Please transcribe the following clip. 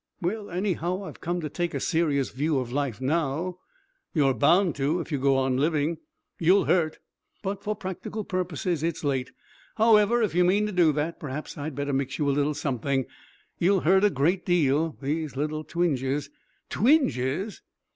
"Well, anyhow, I've come to take a serious view of life now." "You're bound to, if you go on living. You'll hurt. But for practical purposes it's late. However, if you mean to do that perhaps I'd better mix you a little something. You'll hurt a great deal. These little twinges ..." "Twinges!"